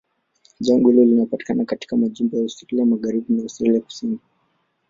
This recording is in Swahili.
Jangwa hilo linapatikana katika majimbo ya Australia Magharibi na Australia Kusini.